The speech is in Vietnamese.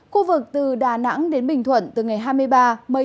khu vực từ đà nẵng đến bình thuận từ ngày hai mươi ba mây